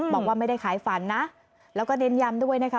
บอกว่าไม่ได้ขายฝันนะแล้วก็เน้นยำด้วยนะคะ